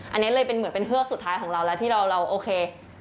อันนี้เลยเป็นเหมือนเป็นเฮือกสุดท้ายของเราแล้วที่เราโอเค